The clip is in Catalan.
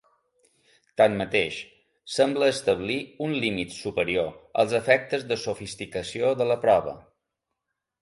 Tanmateix, sembla establir un límit superior als efectes de sofisticació de la prova.